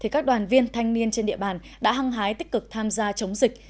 các đoàn viên thanh niên trên địa bàn đã hăng hái tích cực tham gia chống dịch